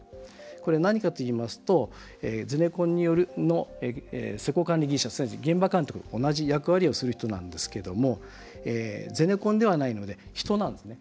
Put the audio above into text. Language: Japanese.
何かといいますとゼネコンによる施工管理技術者、現場監督と同じ役割をする人なんですけどもゼネコンではないので人なんですね。